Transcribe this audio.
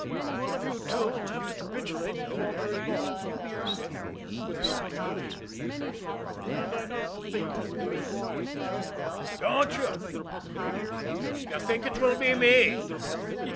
"One of you two will have to capitulate before very long," he said, with a side glance at Regan. "And I don't think it will be Maguire." "Don't you!" Regan flung out. "You think it will be me?"